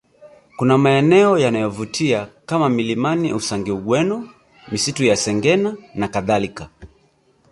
Kuna maeneo yanayovutia kama milimani Usangi Ugweno misitu ya Shengena nakadhalika